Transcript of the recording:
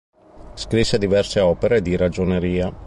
Scrisse diverse opere di ragioneria.